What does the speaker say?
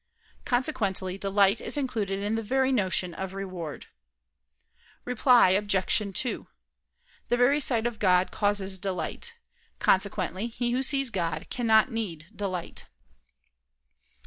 Consequently, delight is included in the very notion of reward. Reply Obj. 2: The very sight of God causes delight. Consequently, he who sees God cannot need delight.